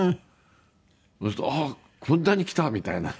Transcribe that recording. そうすると「あっこんなにきた」みたいな。